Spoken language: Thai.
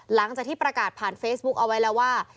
หลังจากที่ประกาศผ่านเฟซบุ๊คเอาไว้แล้วว่า